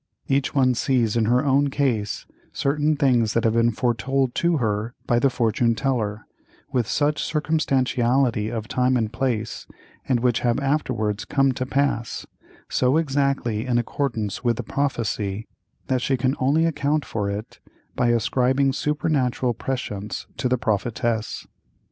Each one sees in her own case certain things that have been foretold to her by the fortune teller with such circumstantiality of time and place, and which have afterwards "come to pass," so exactly in accordance with the prophecy, that she can only account for it by ascribing supernatural prescience to the prophetess.